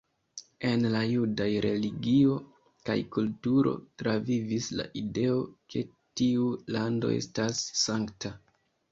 En la judaj religio kaj kulturo travivis la ideo ke tiu lando estas sankta.